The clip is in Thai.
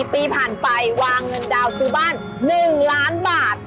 ปีผ่านไปวางเงินดาวน์ซื้อบ้าน๑ล้านบาท